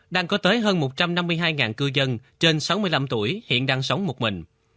đang có tới hơn một trăm năm mươi hai cư dân trên sáu mươi năm tuổi hiện đang sống một mình